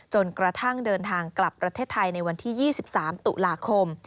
จนกระทั่งเดินทางกลับประเทศไทยในวันที่๒๓ตุลาคม